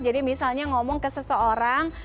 jadi misalnya ngomong ke seseorang